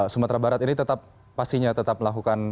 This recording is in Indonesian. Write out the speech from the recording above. sumatera barat ini tetap pastinya tetap melakukan